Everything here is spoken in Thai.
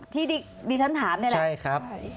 ที่ดิฉันถามได้แหละ